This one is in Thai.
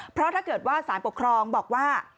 เพราะถ้าเกิดว่าสารปกครองบอกว่า